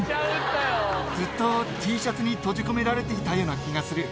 ずっとＴシャツに閉じ込められていたような気がする。